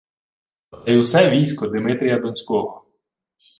Оце й усе військо Димитрія Донського